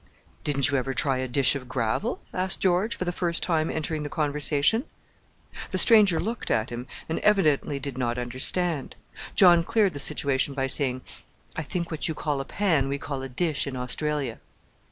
"Didn't you ever try a dish of gravel?" asked George, for the first time entering the conversation. The stranger looked at him, and evidently did not understand. John cleared the situation by saying, "I think what you call a pan we call a dish in Australia."